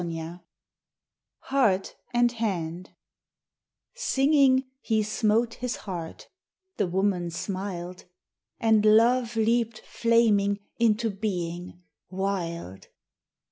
XV Heart and Hand Singing, he smote his heart The woman smiled, And Love leaped, flaming, Into being wild.